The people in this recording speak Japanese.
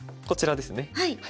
こちらですね。